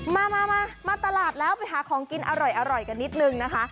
มามาตลาดแล้วไปหาของกินอร่อยกันนิดนึงนะคะ